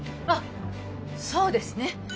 あっそうですね